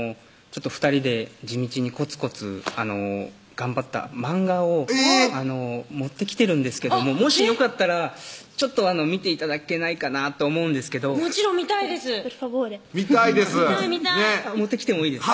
２人で地道にこつこつ頑張った漫画を持ってきてるんですけどももしよかったらちょっと見て頂けないかなと思うんですけどもちろん見たいです見たいです